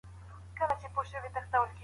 کلیوال خلک د ټولنې مټې دي.